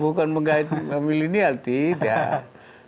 bukan menggait milenial tidak